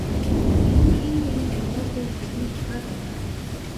Энэ нь хэн нэгэн сургууль дээр ирсний дохио байлаа.